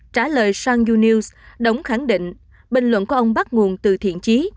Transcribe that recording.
trả lời sang yu news đỗng khẳng định bình luận của ông bắt nguồn từ thiện trí